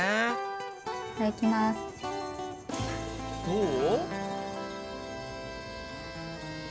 どう？